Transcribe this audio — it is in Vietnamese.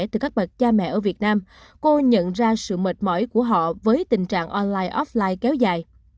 từ các bậc cha mẹ ở việt nam cô nhận ra sự mệt mỏi của họ với tình trạng online offline kéo dài